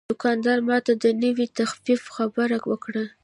دوکاندار ماته د نوې تخفیف خبره وکړه.